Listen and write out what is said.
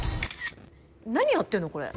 何やってんのこれ？